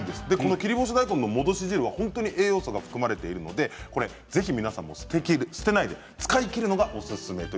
切り干し大根の戻し汁には栄養素が含まれているのでぜひ皆さんも捨てずに使い切るのがおすすめです。